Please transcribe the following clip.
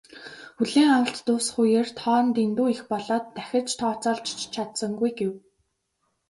"Хүлээн авалт дуусах үеэр тоо нь дэндүү их болоод дахиж тооцоолж ч чадсангүй" гэв.